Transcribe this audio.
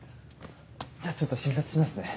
じゃあちょっと診察しますね。